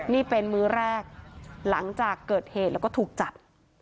นี่เป็นมื้อแรกหลังจากเกิดเหตุแล้วก็ถูกจับ